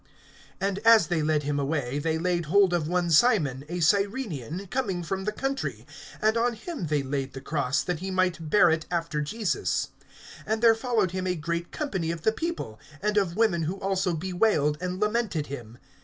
(26)And as they led him away, they laid hold of one Simon a Cyrenian, coming from the country, and on him they laid the cross, that he might bear it after Jesus. (27)And there followed him a great company of the people, and of women who also bewailed and lamented him.